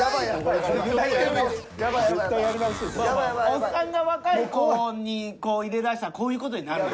おっさんが若い子にこう入れだしたらこういう事になる。